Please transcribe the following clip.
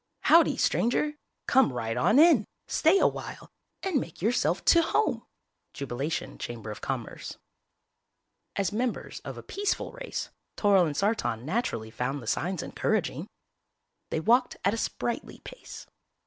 HOWDY, STRANGER! COME RIGHT ON IN, STAY AWHILE AND MAKE YOURSELF TO HOME! Jubilation Chamber of Commerce As members of a peaceful race, Toryl and Sartan naturally found the signs encouraging. They walked at a sprightly pace.